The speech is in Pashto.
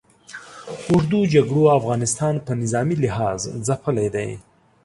اوږدو جګړو افغانستان په نظامي لحاظ ځپلی دی.